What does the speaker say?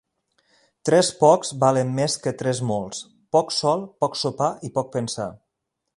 Tres pocs valen més que tres molts: poc sol, poc sopar i poc pensar.